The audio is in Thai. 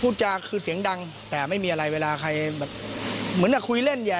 พูดจากคือเสียงดังแต่ไม่มีอะไรเวลาใครม